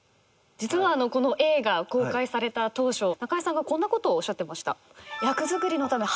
実はこの映画公開された当初中井さんがこんなことをおっしゃってました。